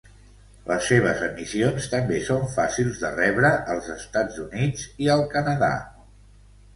Les seves emissions també són fàcils de rebre als Estats Units i al Canadà.